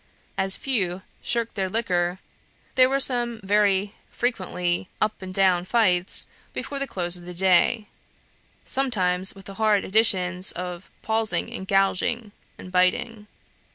As few "shirked their liquor," there were very frequently "up and down fights" before the close of the day; sometimes with the horrid additions of "pawsing" and "gouging," and biting.